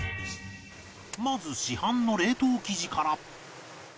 まず市販の冷凍生地から